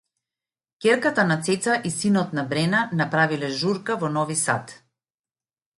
Ќерката на Цеца и синот на Брена направиле журка во Нови Сад